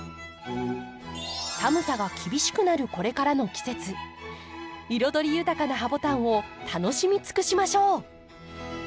寒さが厳しくなるこれからの季節彩り豊かなハボタンを楽しみつくしましょう！